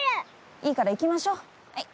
いいから行きましょうはい。